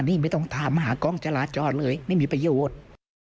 นี่ไม่ต้องถามหากล้องจราจรเลยไม่มีประโยชน์